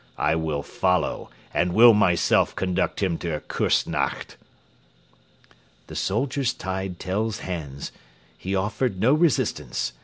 I will follow, and will myself conduct him to Küssnacht." The soldiers tied Tell's hands. He offered no resistance.